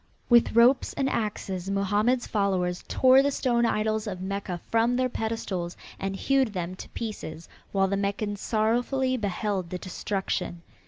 With ropes and axes Mohammed's followers tore the stone idols of Mecca from their pedestals and hewed them to pieces, while the Meccans sorrowfully beheld the destruction.